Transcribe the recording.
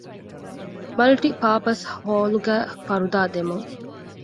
މަލްޓި ޕާޕަސް ހޯލުގައި ފަރުދާ ދެމުން